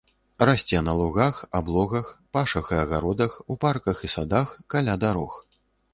Расце на лугах, аблогах, пашах і агародах, у парках і садах, каля дарог.